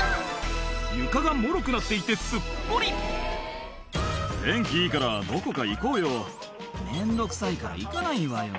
床がもろくなっていてすっぽり「天気いいからどこか行こうよ」「面倒くさいから行かないわよ」